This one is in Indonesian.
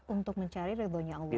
untuk mencari ridhonya allah